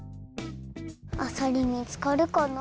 あさり見つかるかな？